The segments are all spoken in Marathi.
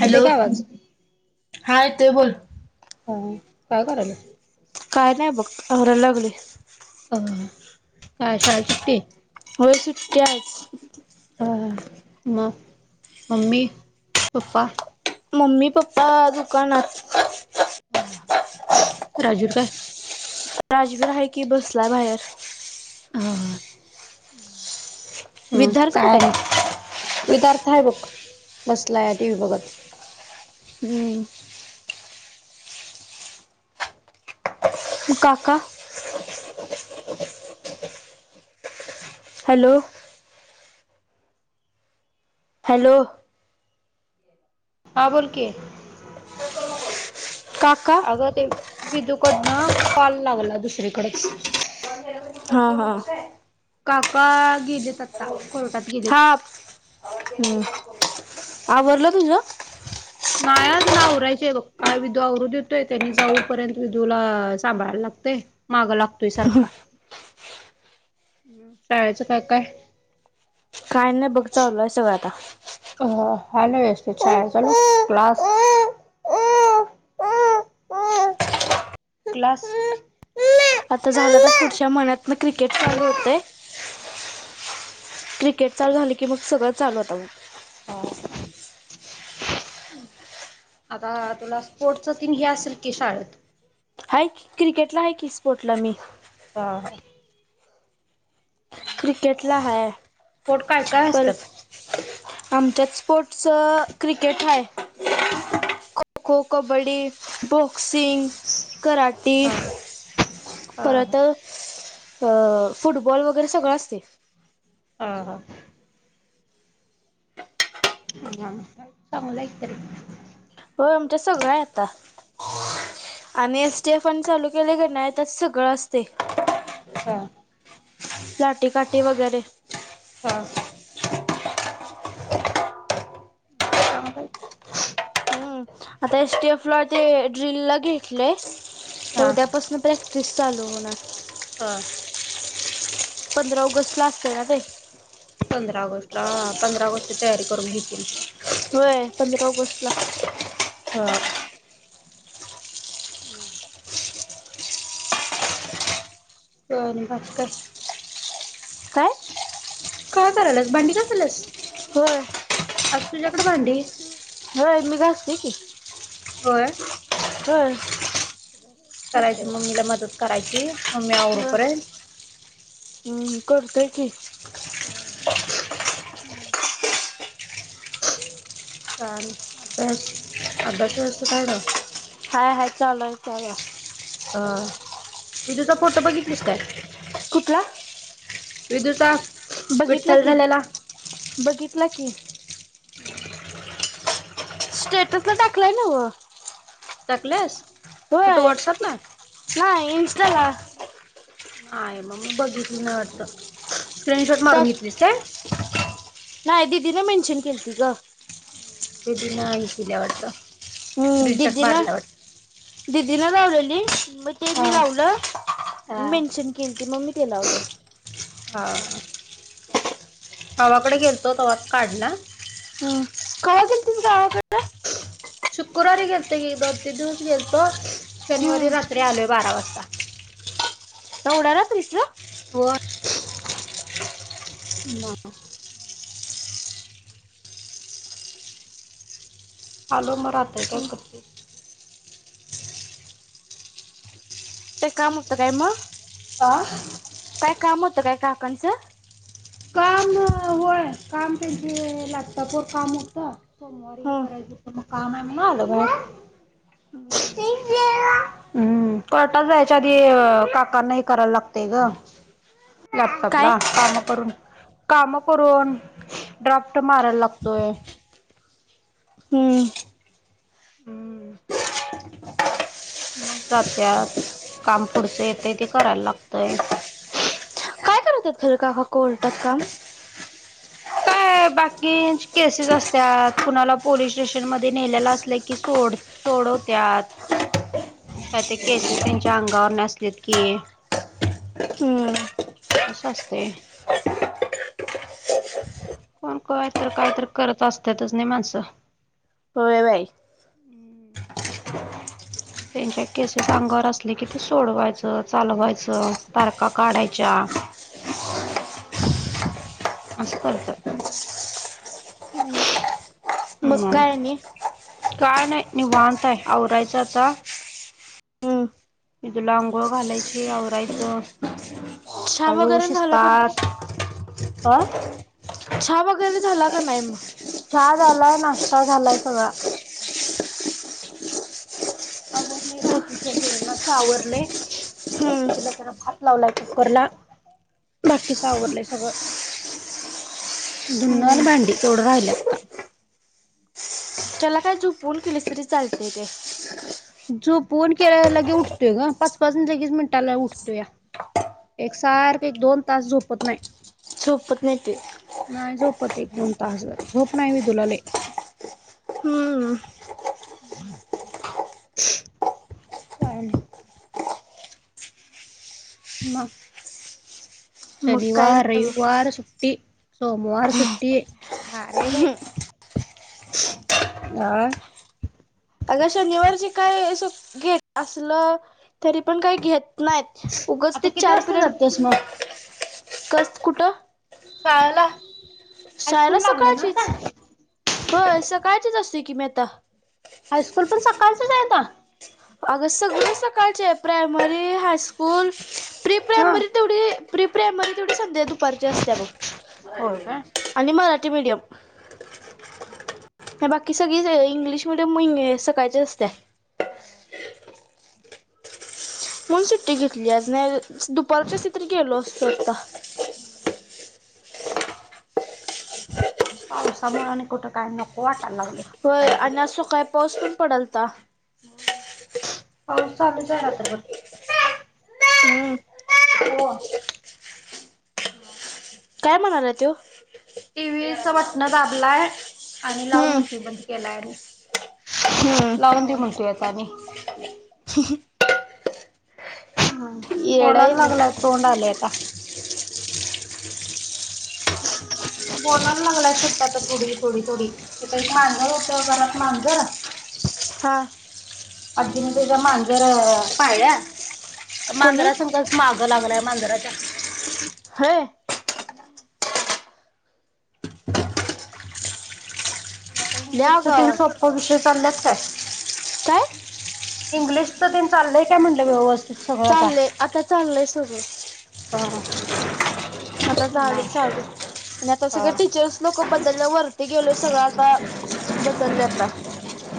हॅलो येतोय काय आवाज. हा येतोय बोल. [inaudible] काय कराल्या. काय नाही बघ आवराय लागलोय. अ काय शाळेला सुुट्टी. होय सुट्टी हाय आज. म मम्मी पप्पा. मम्मी पप्पा दुकानात. हा हा राजवीर काय. राजवीर हाय की बसलाय बाहेर. हा हा. हम विद्यार्थ काय कुठे आणि आहे? विदार्थ आहे बघ बसलाय टीव्ही बघत. हम्म. मग काका. हॅलो. हॅलो. हा बोल की काका अगं ते. विदूकडनं कॉल लागला दुसरीकडेच. हां हां. काका गेलेत आता कोर्टात गेलेत. हा हम्म आवरलं तुझं? नाय अजून आवरायचे बघ काय विदू आवरू देतोय त्यानी जाऊ पर्यंत विदूला सांभाळायला लागतेय. मागं लागतोय सारखा. शाळेचं काय काय. काय नाही बघ चालू आहे सगळं आता. हाय ना ऍस्ट्रोचां [unintelligible] क्लास. क्लास आता झालं तर पुढच्या महिन्यात ना क्रिकेट चालू होतय. क्रिकेट चालू झालं की मग सगळं चालू होत मग. हा. आता तुला स्पोर्टच तीन हे असेल की शाळेत. हाय की क्रिकेटला आहे कि स्पोर्टला मी. हा हा. क्रिकेटला हाय स्पोर्ट काय काय तल असतात आमच्यात स्पोर्टसचा क्रिकेट हाय. [inaudible] खो कबड्डी बॉक्सिंग, कराटी हा हा हा परत अ फुटबॉल वगैरे सगळं असते. हा हा. [unintelligible] हा चांगलाय तरी. हो आमच्या सगळय आता. आणि एस टी एफ एन चालू केले क नाय त्यात सगळं असते. हा. लाटी काटी वगैरे हा. त्यामुळं काही हम्म. आता एस टी एफ ला ते ड्रिल ला घेतलेय तर हा उद्यापासून प्रॅक्टिस चालू होणार. हा. पंधरा ऑगस्ट ला असते ना ते. पंधरा ऑगस्टला पंधरा ऑगस्टची तयारी करून घेतील. होय आहे पंधरा ऑगस्टला. हा. [inaudible] [unintelligible] काय काय करायलास भांडी घासायलास होय आज तुझ्याकडे भांडी? होय मी घासते की. होय. होय. करायची मम्मीला मदत करायची मम्मी होय आवरूपर्यंत. हम्म करतोय की. ह ह. कार अभ्यास अभ्यास व्यवस्थ हाय रा. हाय हाय चालू आहे. [unintelligible] आ विदुलचा फोटो बघितलीस काय? कुठला विदुलचा. बघितलं की बघितलं की. हम्म. स्टेटस ला टाकलाय नवं. टाकलस. होय नाही इंस्टाला. नाही मग मी बघितलं नाही वाटतं स्क्रीनशॉट मारून घेतलीस काय? नाय दिदीला मेनशन केलती गं. दीदीना हे केल्या वाटतं. हम्म स्क्रीनशॉट दिदीला मारल्या वाटतं दीदीला लावलेली मी हा त्यांनी लावलं हा मेन्शन केलती मंग मी ते लावलं. हा. गावाकडे गेलतो तेव्हाच काढला. हम्म कवा गेलतीस गावाकडे? शुक्रवारी गेलतोय की दोन तीन दिवस गेलतो शनिवारी हम्म रात्री आलोय बारा वाजता. एवढ्या रात्रीस होय म आलो म रात्रीस काय करतेस? ते काम होतं काय मग? हा. काय काम होतं काय काकाचं? काम होय काम त्यांचे लॅपटॉपवर काम होतं सोमवारी हम्म करायचं. तो काम आहे म्हणून आलो घरात. हम्म कोर्टा जायचं आदी काकांना हे करायला लागतंय गं लॅपटॉप काय ला काम करून काम करून ड्राफ्ट मारायला लागतोय. हम्म. हम्म मग जात्यात काम पुढचं येतंय ते करायला लागतय. [unintelligible] काका कोल्टयात काम. काय बाकींच केसेस असत्यात. कुणाला पोलीस स्टेशन मध्ये नेलेला असलं की सोड सोडवत्यात. काय ते केसेस त्यांच्या अंगावर नसलेत की हम्म. अशा असतोय. कोण काय तर काय तर करत असत्यातच नाही माणसं. होय बाई. [inaudible] त्यांच्या केसेस अंगावर असले कि ते सोडवायचं, चालवायचं, तारखा काढायच्या असं करतात. मग काय आणि. काय नाही निवांत हाय आवरायचं आता. हम्म मग तिला आंघोळ घालायची आवरायचं. चहा हाळू वगैरे झाला का विस्तार ना आ. चहा वगैरे झाला का नाही मग. चहा झाला नाश्ता झालाय सगळा. आवरलेय बाकीच जेवणाच आवरलंय हम्म तिला जरा भात. लावला कुकरला बाकीच आवरलंय सगळं. धुन आणि हम्म भांडी तेवढं राहिल आत्ता. त्याला काय झोपवून केलीस तरी चालतेय ते. झोपवून केलं तर लगे उडतोय गं पाच पाच मिनिटाला लगे उठतोया. एकसारखं एक दोन तास झोपत नाही. झोपत नाही तो. नाही झोपत एक दोन तास भर झोप नाही व्हय तुला लै. हम. काय आणि. मग. मग काय शनिवार नाही रविवार सुट्टी. सोमवार सुट्टी भारीयबाई. अगं शनिवारचे काय अस घेत असलं तरी पण काही घेत नाहीत उगच आता ते किती चार वाजता पिरयड जातेस मग कस कुठं. शाळला. शाळेला सकाळचीच ह य सकाळचीच असतोय की मी आता. हायस्कूल पण सकाळचच हाय आता. अगं सगळी सकाळचे प्रायमरी हास्कूल प्री हा प्रायमरी. तेवढी प्री प्रायमरी तेवढी संध्या दुपारची असत्या बगं. होय काय आणि मराठी मीडियम. बाकी सगळीच इंग्लिश मिडियम सकाळ चीच असत्या. म्हणून सुट्टी घेतल्या आज नाही दुपारची असती तर गेलो असतो आता. पावसामुळं आणि कुठं काय नको [unintelligible] होय पण आणि आज सकाळी पाऊस पण पडालता. हो पाऊस चालुच हाय रात्रभर. हम्म ओ मग. काय म्हणालाय तो. टीव्हीचं बटण दाबलाय आणि लाव हम्म म्हणतोय बंद केलाय आणि. हम्म लावून दे म्हणतोय आता आणि. [unintelligible] येडा आहे बोलायला तो लागलाय तोंड आलेय आता. बोलाय लागलाय शब्द आता थोडी थोडी थोडी इथं एक मांजर होत घरात मांजर. हां. आजींन त्याच्या मांजर पाळल्या तर कोणी मांजरा संगच. माग लागलाय मांजराच्या. होय. तुला आता लय आगाव इंग्लिश आहे सोप्प विषय चाल्यात काय. काय? इंग्लिशचं तेन चाललंय काय म्हणलं व्यवस्थित? सगळं आता? चाललंय, आता चाललंय सगळं. [inaudible] आता झाली चालू. आणि आता हा सगळं टीचर्स लोक बदलल्या वरती गेलो, सगळं आता बदललं आता.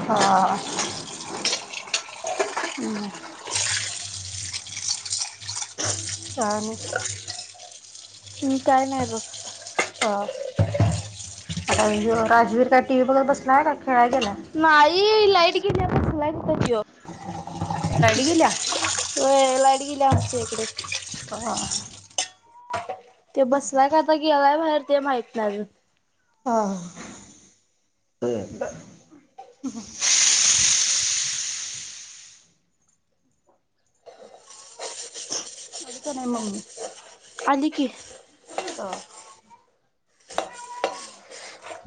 हा. [unintelligible] काय नाय. टीवी काय नाही बघ. हा, आता, ह्यो राजवीर का टी व्ही बघत बसलाय का खेळाय गेलाय. मा आई, लाईट गेलिये बघ, लाईट गेलीय. लाईट गेल्या? व्हय लाईट गेली आमच्या इकडे. [unintelligible] ते बसलाय का आता गेलाय बाहेर, ते माहित नाही अजून [unintelligible] आली की नाही मम्मी. आली की. हा. [unintelligible]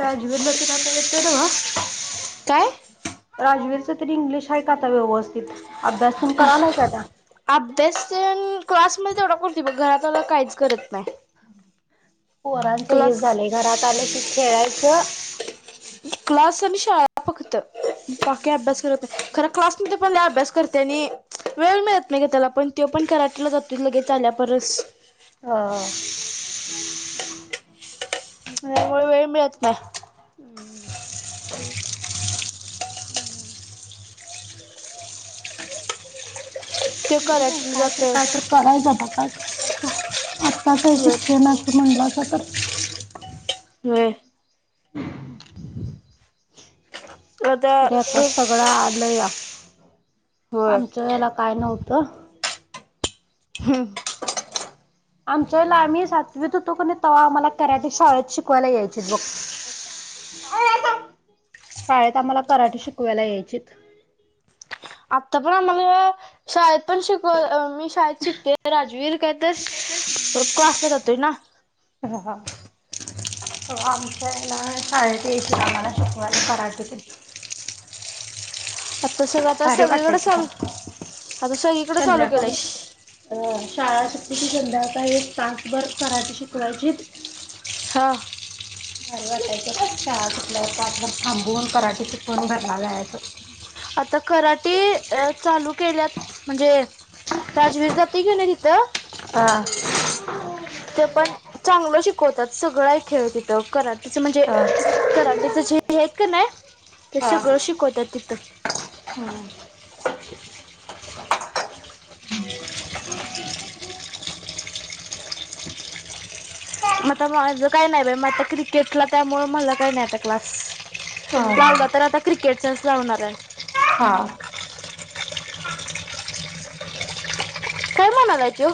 राजवीर ला [inaudible] येते नव्हं. काय? राजवीरच तरी इंग्लिश आहे का आता व्यवस्थित? अभ्यास करायला तो आता. अभ्यास, क्लासमध्ये तेवढा करती बघ, घरात आल्यावर काहीच करत नाही. पोरांचं हे क्लास झालंय, घरात आले की खेळायचं. क्लास आणि शाळा फक्त, बाकी अभ्यास करत नाही, खर क्लासमध्ये पहिले अभ्यास करते आणि. वेळ मिळत नाही ग त्याला पण, तो पण कराटेला जातो लगेच आल्या परच. [unintelligible] त्यामुळे वेळ मिळत नाही. ते [inaudible] काय तर जातं. काय तर करायचं आता, काय करणारसा, आता तर वेळ शिक्षणाच म्हणलासा तर व्हय. तरी आता सगळं आलं या, होय आमचं वेळेला काय नव्हतं. [unintelligible] आमच्या वेळेला, आम्ही सातवीत होतो का नाही, तव्हा आम्हाला कराटे शाळेत शिकवायला यायचेत बघ. शाळेत आम्हाला कराटे शिकवायला यायचेत. आता पण आम्हाला शाळेत पण शिकवा मी शाळेत शिकतोय राजवीर काय तर क्लासला जातोय ना. ह, हा. तेव्हा आमच्या वेळेला शाळेत यायचे आम्हाला शिकवायला कराटे ते. आता सगळा. भारी वाटायचं खरं सगळीकडे चालू केलंय संध्याकाळी. अ, शाळा सुटली की संध्याकाळी, एक तासभर कराठी शिकवायची. हां. भारी वाटायचं. शाळा सुटल्यावर तासभर थांबून कराटे शिकवून घरला जायचं. आता कराटे, अ चालू केल्यात म्हणजे राजवीरला बी घेऊन ये तिथं. हा. तिथं पण चांगलं शिकवतात. सगळं आहे, खेळ, तिथं कराटे. तिथं म्हणजे हा कराट्याचं जे आहेत का, नाही, ते हा सगळं शिकवतात तिथं. हम्म [inaudible] म आता माझं काही नाही बाई मग आता क्रिकेटला त्यामुळे मला काही नाही आता क्लास. लावला हा तर आता क्रिकेटचाच लावणार आहे. हां. काय म्हणालाय त्यो?